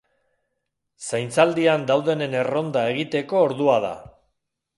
Zaintzaldian daudenen erronda egiteko ordua da.